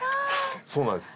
そうなんです。